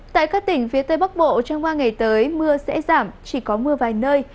tại các tỉnh phía tây bắc bộ trong ba ngày tới mưa sẽ giảm chỉ có mưa vài nơi